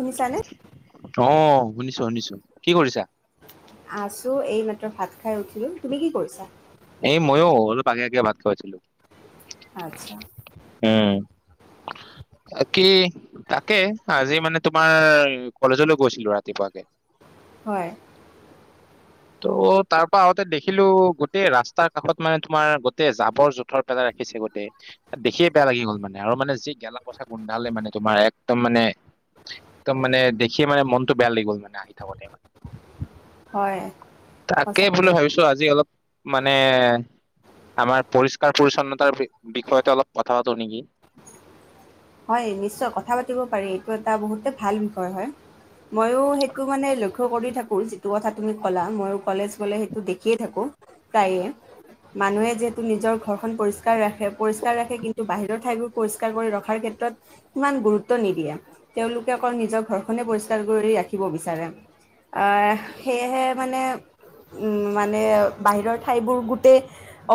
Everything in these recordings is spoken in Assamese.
শুনিছানে অঁ শুনিছো শুনিছো কি কৰিছা আছো এই মাত্ৰ ভাত খাই উঠিলো তুমি কি কৰিছা। এই মইয়ো অলপ আগে আগে ভাত খাইছিলো আচ্ছা কি তাকে আজি মানে তোমাৰ কলেজলৈ গৈছিলো ৰাতিপুৱাকে। হয় ত' তাৰ পৰা আগতে দেখিলো গোটেই ৰাস্তাৰ কাষত মানে তোমাৰ গোটেই জাবৰ জোথৰ পেলাই ৰাখিছে গোটেই দেখিয়ে বেয়া লাগি গল মানে আৰু মানে যি গেলা পথ গোন্ধালে মানে তোমাৰ একদম মানে একদম মানে দেখিয়ে মানে মনটো বেয়া লাগি গল মানে আহি থাকোতে মানে হয় তাকে সঁচাকৈ বুলি ভাবিছো আজি অলপ মানে আমাৰ পৰিষ্কাৰ পৰিচ্ছন্নতাৰ বিষয়তে অলপ কথা পাতো নেকি হয় নিশ্চয় কথা পাতিব পাৰি এইটো এটা বহুতে ভাল বিষয় হয় ময়ো সেইটো মানে লক্ষ্য কৰি থাকোঁ যিটো কথা তুমি ক'লা ময় কলেজ কলে সেইটো দেখিয়ে থাকোঁ প্ৰায়ে মানুহে যিহেতু নিজৰ ঘৰখন পৰিষ্কাৰ ৰাখে পৰিষ্কাৰ ৰাখে কিন্তু বাহিৰৰ ঠাইবোৰ পৰিষ্কাৰ কৰি ৰখাৰ্ষত ক্ষেত্ৰত ইমান গুৰুত্ব নিদিয়ে তেওঁলোকে অকল নিজৰ ঘৰখনে পৰিষ্কাৰ কৰি ৰাখিব বিচাৰে সেয়েহে মানে মানে বাহিৰৰ ঠাইবোৰ গোটেই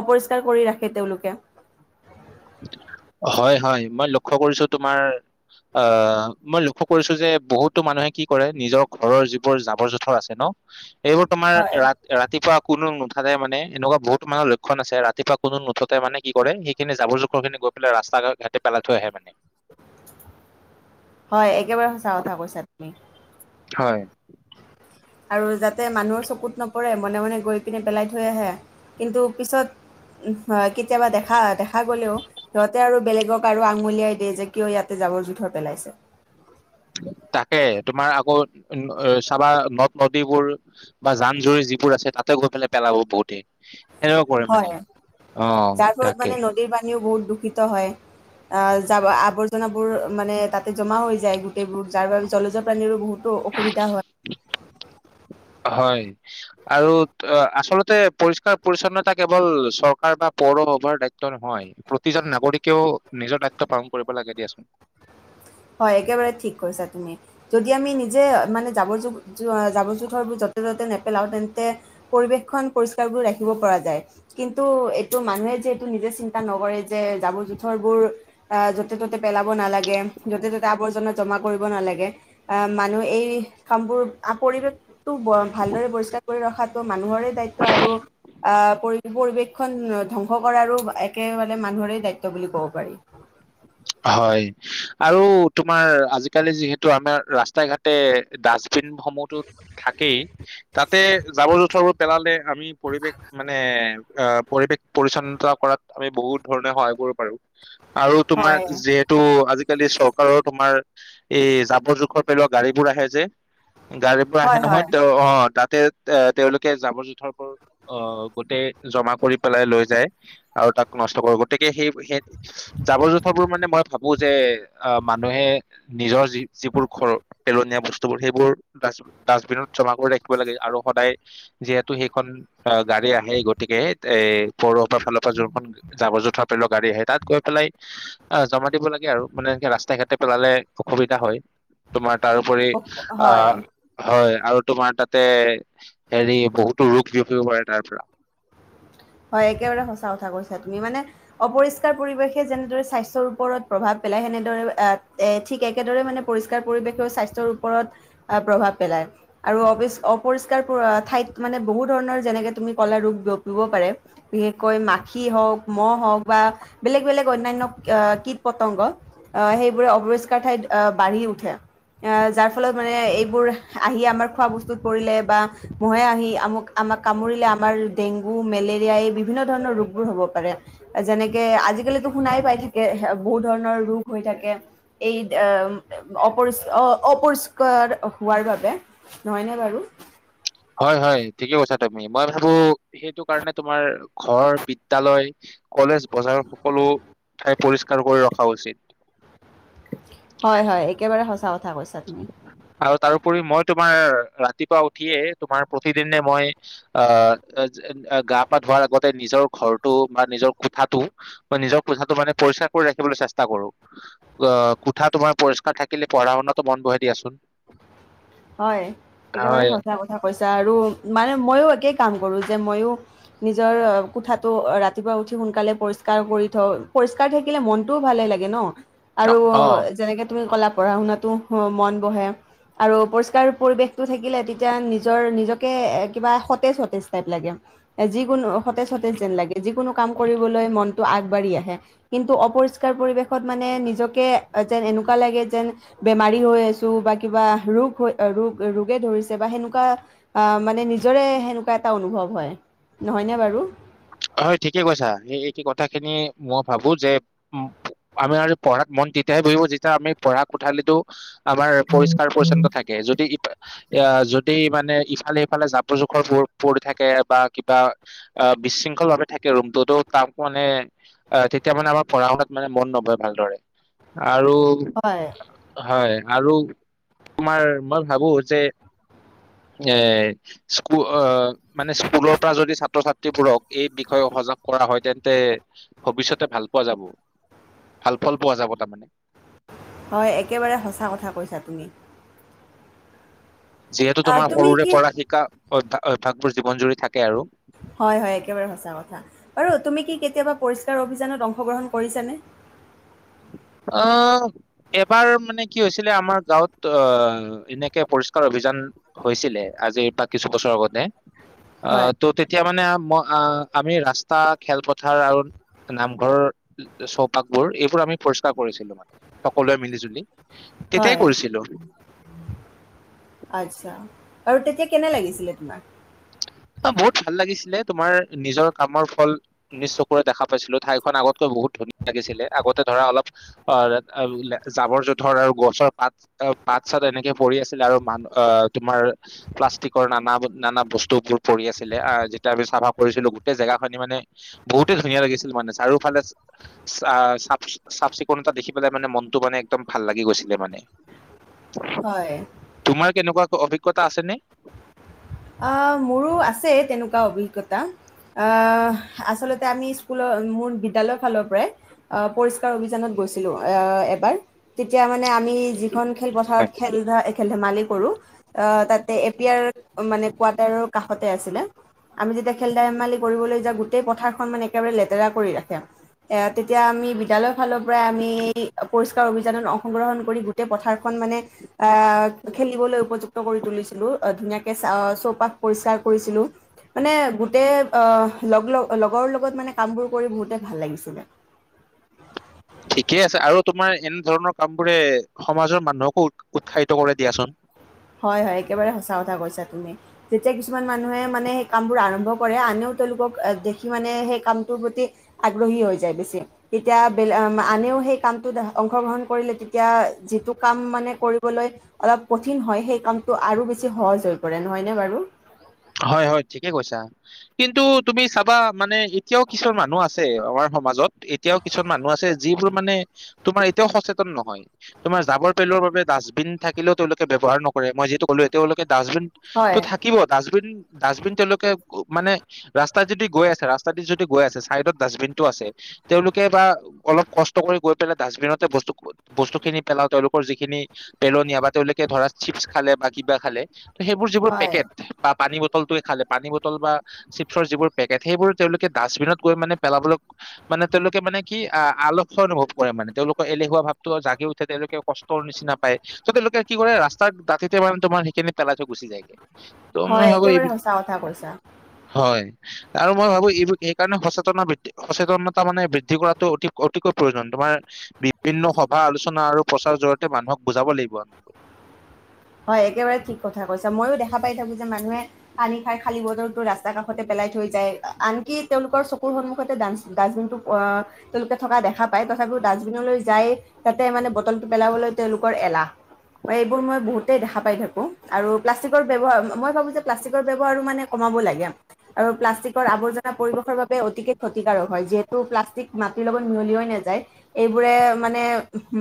অপৰিষ্কাৰ কৰি ৰাখে তেওঁলোকে হয় হয় মই লক্ষ্য কৰিছো তোমাৰ আহ মই লক্ষ্য কৰিছো যে বহুতো মানুহে কি কৰে নিজৰ ঘৰৰ যিবোৰ জাবৰ জোথৰ আছে ন সেইবোৰ তোমাৰ হয় ৰা ৰাতিপুৱা কোনো। মানে এনেকুৱা বহুত মান লক্ষ্যণ আছে ৰাতিপুৱানো নুঠুতে মানে কি কৰে সেইখিনি যাব কখ খিনি গৈ পেলাই ৰাস্তা ঘাটি পেলাই থৈ আহে মানে। হয় একেবাৰে সঁচা কথা কৈছা তুমি। হয়। আৰু যাতে মানুহৰ চকুত নপৰে মনে মনে গৈ পিনে পেলাই থৈ আহে কিন্তু পিছত কেতিয়াবা দেখা দেখা গলেও সিহঁতে আৰু বেলেগক আৰু আঙুলিয়াই দিয়ে যে কিয় ইয়াতে জাবৰ জোঁথৰ পেলাইছে তাকে তোমাৰ আকৌ চাবা নদ নদীবোৰ বা জান জুৰি যিবোৰ আছে তাতে গৈ পেলাই পেলাব বহুতেই হয় তাৰ ফলত তাকে মানে নদীৰ পানীও বহুত দুখ দূষিত হয় আহ য আৱৰ্জনাবোৰ মানে তাতে জমা হৈ যায় গোটেইবোৰ যাৰ বাবে জলজোৱা প্ৰাণীৰো বহুতো অসুবিধা হয় হয় আৰু আচলতে পৰিষ্কাৰ পৰিচ্ছন্নতা কেৱল চৰকাৰ বা পৌৰসভাৰ দায়িত্ব নহয় প্ৰতিজন নাগৰিকেও নিজৰ দায়িত্ব পালন কৰিব লাগে দিয়াচোন হয় যে মানে জাৱৰ জাৱৰ জোঁথৰবোৰ যতে ত'তে নেপেলাও তেন্তে পৰিৱেশখন পৰিষ্কাৰ বুলি ৰাখিব পৰা যায় কিন্তু এইটো মানুহে যিহেতু নিজে চিন্তা নকৰে। যে জাবৰ জোঁথৰবোৰ। অ য'তে ত'তে পেলাব নালাগে। গেম। য'তে ত'তে আৱৰ্জনা জমা কৰিব নেলাগে আহ মানুহ এই কামবোৰ আ পৰিবেশ। পৰিবেশ টো ভালদৰে পৰিষ্কাৰ কৰি ৰখাত। ত মানুহৰে দায়িত্ব আৰু আহ পৰি পৰিৱেশখন ধ্বংস কৰাৰো একেবাৰে মানুহৰে দায়িত্ব বুলি ক'ব পাৰি। হয় আৰু তোমাৰ আজিকালি যিহেতু আমাৰ ৰাস্তাই ঘাটে দাচ চিণ সমূহতোত থাকেই তাতে জাবৰ- জোথৰত পেলালে আমি পৰিৱেশ মানে আহ পৰিৱেশ পৰিচ্ছন্নতা কৰাত আমি বহুত ধৰণে সহায় কৰিব পাৰো। আৰু তোমাৰ হয় যিহেতু আজি আজিকালি চৰকাৰৰ তোমাৰ এই জাবৰ জোখৰ পেলোৱা গাড়ীবোৰ আহে যে? গাড়ীবোৰ আহে হয় নহয় হয় তে অ তাত তেত এ তেওঁলোকে জাবৰ - জোথৰবোৰ আহ গোটেই জমা কৰি পেলাই লৈ যায় আৰু তাক নষ্ট কৰিব গতিকে সেই সেই জাবৰ -জো মানে মই ভাবো যে আহ মানুহে নিজৰ যি যিবোৰ ঘৰ পেলনীয়া বস্তুবোৰ সেইবোৰ ডাছ ডাষ্টবিনত জমা কৰি ৰাখিব লাগে আৰু সদায় যিহেতু সেইখন গাড়ী আহে গতিকে এত এই পৌৰসভাৰ ফালৰ পৰা যোনখন জাবৰ - জোথৰ পেলোৱা গাড়ী আহে তাত গৈ পেলাই অ জমা দিব লাগে আৰু মানে এনেকে ৰাস্তাই ঘাটে পেলালে অসুবিধা হয়, তোমাৰ তাৰোপৰি অ হয় হয় আৰু তোমাৰ তাতে হেৰি বহুতো ৰোগ বিয়পিব পাৰে তাৰ পৰা। হয় একেবাৰে সচা কথা কৈছা তুমি মানে অপৰিষ্কাৰ পৰিৱেশে যেনেদৰে স্বাস্থ্যৰ ওপৰত প্ৰভাৱ পেলাই সেনেদৰে এ ঠিক একেদৰে মানে পৰিষ্কাৰ পৰিবেশেও স্বাস্থ্যৰ ওপৰত প্ৰভাৱ পেলাই আৰু অ অপৰিষ্কাৰ ঠাইত মানে বহু ধৰণৰ যেনেকে তুমি কলা ৰোগ বিয়পিব পাৰে। বিশেষকৈ মাখি হওক, মহ হওক বা বেলেগ বেলেগ অন্যান্য আ কীট - পতংগ আহ সেইবোৰে অপৰিষ্কাৰ ঠাইত বাঢ়ি উঠে আহ যাৰ ফলত মানে এইবোৰ আহি আমাৰ খোৱা বস্তুত পৰিলে বা মহে আহি আমোক আমাক কামুৰিলে আমাৰ ডেংগু মেলে দিয়াই বিভিন্ন ধৰণৰ ৰোগবোৰ হ'ব পাৰে যেনেকে আজিকালিতো শুনাই পাই থাকে বহুত ধৰণৰ ৰোগ হৈ থাকে এই দেম অপৰিছ অ অপৰিষ্কাৰ হোৱাৰ বাবে নহয়নে বাৰু? হয় হয় ঠিকে কৈছা তুমি মই ভাবো সেইটো কাৰণে তোমাৰ ঘৰ, বিদ্যালয়, কলেজ, বজাৰ সকলো ঠাই পৰিষ্কাৰ কৰি ৰখা উচিত। হয় হয় একেবাৰে সঁচা কথা কৈছা তুমি আৰু তাৰোপৰি মই তোমাৰ ৰাতিপুৱা উঠিয়ে তোমাৰ প্ৰতিদিনে মই আহ গা পা ধোৱাৰ আগতে নিজৰ ঘৰটো বা নিজৰ কোঠাটো বা, নিজৰ কোঠাটো মানে পৰিষ্কাৰ কৰি ৰাখিবলৈ চেষ্টা কৰো অ, কোঠা তোমাৰ পৰিষ্কাৰ থাকিলে পঢ়া শুনাত। মন বহাই দিয়াচোন। হয়, একেবাৰে হয় সচা কথা কৈছা আৰু মানে মইো একে। কাম কৰো যে, মইো নিজৰ কোঠাটো ৰাতিপুৱা উঠি সোনকালে পৰিষ্কাৰ কৰি থওঁ পৰিষ্কাৰ থাকিলে মনটোও ভালে লাগে ন। অ আৰু যেনেকে তুমি কলা। পঢ়া শুনাতো মন বহে আৰু। পৰিষ্কাৰ পৰিৱেশটো থাকিলে তেতিয়া নিজৰ নিজকে কিবা সতেজ সতেজ টাইপ লাগে, যিকোনো সতেজ সতেজ যেন লাগে, যিকোনো কাম কৰিবলৈ মনটো আগবাঢ়ি আহে কিন্তু অপৰিষ্কাৰ পৰিৱেশত মানে নিজকে যেন এনেকুৱা লাগে যেন বেমাৰী হৈ আছো বা কিবা ৰোগ। ৰোগ ৰোগে ধৰিছে বা, সেনেকুৱা মানে নিজৰে সেনেকুৱা এটা অনুভৱ হয় নহয়নে বাৰু? হয় ঠিকে কৈছা, স এই কথা খিনি মই ভাবো যে উ আমি আৰু পঢ়াত মন তেতিয়াহে বহিব যেতিয়া আমি পঢ়া কোঠালো। আমাৰ পৰিষ্কাৰ পৰিচ্ছন্ন থাকে যদি ই। এ, যদি মানে ইফালে সফালে জাবৰ জোখৰ পৰি থাকে বা, কিবা অ বিশৃং। থাকে ৰুম তাক মানে তেতিয়া মানে আমাৰ পঢ়া শুনাত মানে মন নয় ভালদৰে। আৰু, হয় হয়। আৰু তোমাৰ মই ভাবো যে এ স্ক। মানে স্কুলৰ পৰা যদি ছাত্ৰ ছাত। ছাত্ৰী বোৰক। এই বিষয়ে সজাগ কৰা হয়, তেন্তে ভৱিষ্যতে ভাল পোৱা যাব ভাল ফল পোৱা যাব তাৰমানে। হয় একেবাৰে সঁচা কথা কৈছা তুমি। যিহেতু আহ তোমাৰ তুমি সৰুৰে কি পৰা শিকা। অভ্্যাস অভ্যয়াসবোৰ জীৱন জুৰি থাকে আৰু [unintelligible] হয় হয় একেবাৰে সঁচা কথা বাৰু তুমি কি কেতিয়াবা পৰিষ্কাৰ অভিযানত অংশগ্ৰহণ কৰিছানে? আহ এবাৰ মানে কি হৈছিলে আমাৰ গাঁৱত আহ এনেকে পৰিষ্কাৰ অভিযান হৈছিলে আজিৰ পৰা কিছু বছৰৰ আগতে। অ, হয় ত তেতিয়া। মানে আমি, ৰাস্তা খেলপথাৰ আৰু নামঘৰ চৌপাশবোৰ এইবোৰ আমি। পৰিষ্কাৰ কৰিছিলো মানে সকলোৱে মিলি জুলি। তেতিয়াই হয়, কৰিছিলো আচ্ছা আৰু তেতিয়া কেনে লাগিছিলে? নাই। অ, বহুত ভাল লাগিছিলে তোমাৰ নিজৰ কামৰ ফল নি চকুৰে দেখা পাইছিলো ঠাইখন আগতকৈ বহুত ধুনীয়া লাগিছিলে আগতে ধৰা অলপ অ জাবৰ জোথৰ আৰু গছৰ পাত পাত চাত এনেকে পৰি আছিলে আৰু মানু আহ তোমাৰ প্লাষ্টিকৰ নানা নানা বস্তু বোৰ। পৰি আছিলে, আহ যেতিয়া আমি চাফা কৰিছিলো গোটেই জেগা খিনি মানে বহুতে ধুনীয়া লাগিছিল মানে। চাৰিওফালে চাফ চাফ চিকুণতা দেখি পেলাই মানে মনটো মানে একদম ভাল লাগি গৈছিলে মানে। হয়। তোমাৰ কেনেকুৱা অভিজ্ঞতা আছে নে? আহ মোৰো আছে তেনেকুৱা অভিজ্ঞতা, আচলতে আমি স্কুলৰ মোৰ বিদ্যালয়ৰ ফালৰ পৰাই পৰিষ্কাৰ অভিযানত গৈছিলো এবাৰয়া। মানে আমি যিখন খেল হয় পথাৰত খেলেল ধ মালিক। কৰো তাতে এপিয়াৰ। মানে, কোৱাৰটাৰৰ কাষতে আছিলে আমি যেতিয়া খেল ধেমালি কৰিবলৈ যাওঁ গোটেই পথাৰখন মানে একেবাৰে লেতেৰা কৰি ৰাখে। এ তেতিয়া আমি বিদ্যালয়ৰ ফালৰ পৰাই আমি পৰিসকাৰ অভিযানত অংশগ্ৰহণ কৰি গোটেই পথাৰখন মানে আহ খেলিবলৈ উপযুক্ত কৰি তুলিছিলো ধুনীয়া। চৌপাশ পৰিষ্কাৰ কৰিছিলো, মানে গোটেই লগ লগৰ লগত মানে কামবোৰ কৰি বহুতে ভাল লাগিছিলে। ঠিকেই আছে, আৰু তোমাৰ এনে ধৰণৰ কাম বোৰে সমাজৰ মানুহকো উ উৎসাহিত কৰে দিয়াচোন। হয় হয়, একেবাৰে সঁচা কথা কৈছা তুমি, যেতিয়া কিছুমান মানুহে মানে সেই কামবোৰ আৰম্ভ কৰে আনেও তেওঁলোকক দেখি মানে সেই কামটোৰ প্ৰতি আগ্ৰহী হৈ যায় বেছি তেতিয়া ব আনেও সেই কামটো অংশগ্ৰহণ কৰিলে তেতিয়া যিটো কাম মানে কৰিবলৈ অলপ কঠিন হয়। সেই কামটো আৰু বেছি সহজ হৈ পৰে নহয়নে বাৰু। হয় হয় ঠিকে কৈছা কিন্তু তুমি চাবা মানে এতিয়াও কিছুমান মানুহ আছে। আমাৰ সমাজত এতিয়াও কিছুমান মানুহ আছে যিবোৰ মানে তোমাৰ এতিয়াও সচেতন নহয় তোমাৰ জাবৰ পেলৰ বাবে ডাষ্টবিন থাকিলেও তেওঁলোকে ব্যৱহাৰ নকৰে মই যিটো ক'লো এ তেওঁলোকে। ডাষ্টবিনতটো হয় থাকিব ডাষ্টবি। ডাষ্টবিন তেওঁলোকে মানে ৰাস্তাত যদি গৈ আছে, ৰাস্তা দি যদি গৈ আছে, চাইদত ডাষ্টবিনটো আছে তেওঁলোকে বা অলপ কষ্ট কৰি গৈ পেলাই ডাষ্টবিনতে বস্তুখিনি পেলাও। তেওঁলোকৰ যিখিনি পেলনীয়া বা তেওঁলোকে ধৰা চিপছ খালে বা কিবা খালে। সেইবোৰ যিবোৰ হয় পেকেট। পানী বটলটোৱে খালে, পানী বটল বা চিপছৰ যিবোৰ পেকেট সেইবোৰ তেওঁলোকে ডাষ্টবিনত গৈ মানে পেলাবলৈ মানে তেওঁলোকে মানে কি আলসুৱা অনুভৱ কৰে মানে তেওঁলোকৰ এলেহুৱা ভাৱটো জাগি উঠে। তেওঁলোকে কষ্টৰ নিচিনা পায়, ত' তেওঁলোকে কি কৰে ৰাস্তা দাঁতিতে মানে তোমাৰ সেইখিনি পেলাই থৈ গুচি যায়গে। ত' মই হয়, ভাবো এই একেবাৰে সঁচা কথা কৈছা। হয় আৰু মই ভাবো এই সেইকাৰণে সচেতন বৃদ্ধি সচেতনতা মানে বৃদ্ধি কৰাটো অতি অতিকৈ প্ৰয়োজন। তোমাৰ বিভিন্ন সভা-আলোচনা আৰু প্ৰচাৰৰ জৰিয়তে মানুহক বুজাব লাগিব। হয়, একেবাৰে ঠিক কথা কৈছা মইয়ো দেখা পাই থাকো যে মানুহে। পানী খাই খালি বটল। ৰাস্তা কাষতে পেলাই থৈ যায়, আনকি তেওঁলোকৰ চকুৰ সন্মুখতো ডাষ্টবিন টো তেওঁলোকে থকা দেখা পায়। তথাপিও ডাষ্টবিনলৈ যাই তাতে মানে বটল টো পেলাবলৈ তেওঁলোকৰ এলাহ, এইবোৰ মই বহুত। দেখা পাই থাকো আৰু প্লাষ্টিকৰ ব্যৱহাৰ মই ভাবো যে প্লাষ্টিকৰ ব্যৱহাৰো মানে কমাব লাগে। আৰু প্লাষ্টিকৰ আৱৰ্জনা পৰিৱেশৰ বাবে অতিকে ক্ষতিকাৰক হয়। যিহেতু প্লাষ্টিক মাটিৰ লগত মিহলিাই নাযায়, এইবোৰে মানে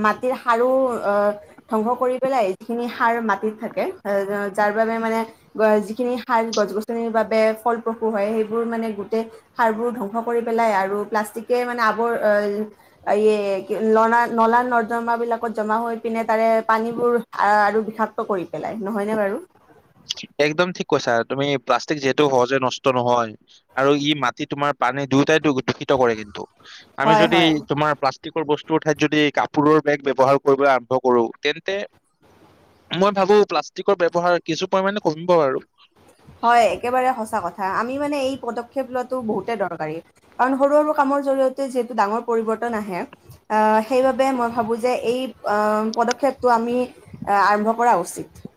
মাটিৰ সাৰো অ' ধ্বংস কৰি পেলাই যিখিনি। সাৰ মাটিত থাকে, যাৰ বাবে মানে যিখিনি সাৰ গছ- গছনিৰ বাবে ফলপ্ৰসু হয় সেইবোৰ মানে গোটেই সাৰবোৰ ধ্বংস কৰি পেলাই আৰু প্লাষ্টিকে মানে আবৰ ই নলা-নৰ্দমা বিলাকত জমা হৈ পিনে তাৰে পানীবোৰ আৰু। বিষাক্ত কৰি পেলাই নহয়নে বাৰু। একদম ঠিক কৈছা, তুমি প্লাষ্টিক যিহেতু সহজে নষ্ট নহয়, আৰু ই মাটি তোমাৰ পানী দুয়টাইো। দূষিত কৰে কিন্তু আমি হয় যদি হয় তোমাৰ প্লাষ্টিক। প্লাষ্টিকৰ বস্তুৰ ঠাইত যদি কাপোৰৰ বেগ ব্যৱহাৰ কৰিবলৈ আৰম্ভ কৰো তেন্তে মই ভাবো প্লাষ্টিকৰ ব্যৱহাৰ। কিছু পৰিমণে কমিব আৰু। হয়, একেবাৰে সঁচা কথা আমি মানে এই পদক্ষেপ লোৱাটো বহুতে দৰকাৰী। কাৰণ সৰু সৰু কামৰ জৰিয়তে যিহেতু ডাঙৰ পৰিৱৰ্তন আহে অহ সেইবাবে মই ভাবো যে, এই অহ পদক্ষেপটো আমি আৰম্ভ কৰা উচিত।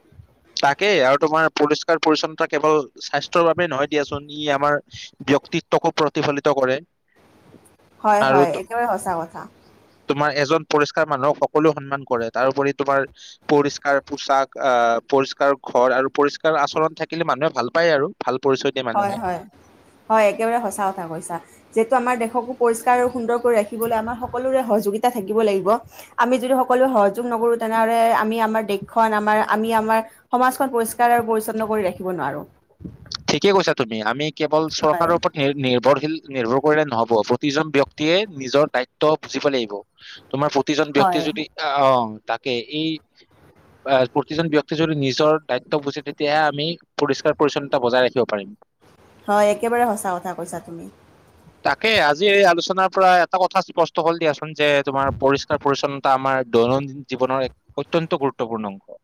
তাকেই আৰু তোমাৰ পৰিষ্কাৰ-পৰিচ্ছন্নতা কেৱল স্বাস্থ্যৰ বাবে নহয় দিয়াচোন, ই আমাৰ ব্যক্তিত্বকো প্ৰতিফলিত কৰে। আৰু হয়-হয়, একেবাৰে সঁচা কথা। তোমাৰ এজন পৰিষ্কাৰ মানুহক সকলো সন্মান কৰে তাৰপৰি তোমাৰ পৰিস্কাৰ পোচাক, পৰিষ্কাৰ ঘৰ আৰু পৰিষ্কাৰ আচৰণ থাকিলে মানুহে ভাল পায় আৰু ভাল। পৰিচয় দিয়ে মানুহে হয়-হয়-হয় একেবাৰে সঁচা কথা কৈছা যে। আমাৰ দেশকো পৰিষ্কাৰ আৰু সুন্দৰ কৰি ৰাখিবলৈ আমাৰ সকলোৰে সহযোগিতা থাকিব লাগিব, আমি যদি সকলোৱে সহযোগ নকৰো তেনেহলে আমি আমাৰ দেশখন আমাৰ আমি আমাৰ সমাজখন পৰিষ্কাৰ আৰু পৰিচ্ছন্ন কৰি ৰাখিব নোৱাৰো। ঠিকেই কৈছা তুমি আমি। কেৱল চৰকাৰৰ ওপৰত নি-নিৰ্ভৰশীল। নিৰ্ভৰ কৰিলে নহ'ব প্ৰতিজন ব্যক্তিয়ে নিজৰ দায়িত্ব বুজিব লাগিব। তোমাৰ প্ৰতিজন ব্যক্তিয়ে হয়। যদি অ', - অ'। তাকে এই প্ৰতিজন ব্যক্তি যদি নিজৰ দায়িত্ব বুজে তেতিয়াহে আমি পৰিষ্কাৰ-পৰিচ্ছন্ন। টা বজাই ৰাখিব পাৰিম। হয়, একেবাৰে সঁচা কথা কৈছা তুমি। তাকে আজি এই আলোচনাৰ পৰা এটা কথা স্পষ্ট হ'ল দিয়াছো। যে তুমাৰ পৰিষ্কাৰ-পৰিচ্ছন্ন। তা আমাৰ দৈনন্দিন জীৱনৰ এক অত্যন্ত গুৰুত্বপূৰ্ণ অংশ।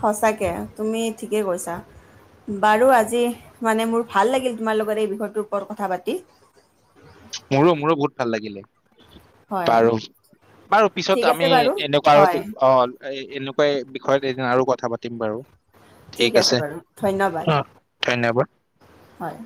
সঁচাকে তুমি ঠিকেই কৈছা বাৰু আজি মানে মোৰ ভাল লাগিল তোমাৰ লগত এই বিষয়টোৰ ওপৰত কথা পাতি। মোৰো, মোৰো বহুত ভাল লাগিলে। হয়, বাৰু, বাৰু ঠিক পিছত আছে আমি বাৰু। এনেকুৱা হয়, অ' এ এনেকুৱা। বিষয়ত এদিন আৰু কথা পাতিম বাৰু। ঠিক আছে অ' ধন্যবাদ। হয়।